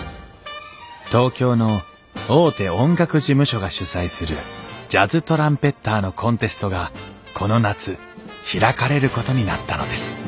東京の大手音楽事務所が主催するジャズトランペッターのコンテストがこの夏開かれることになったのです